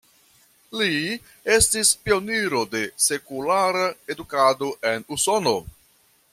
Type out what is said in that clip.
Li estis pioniro de sekulara edukado en Usono.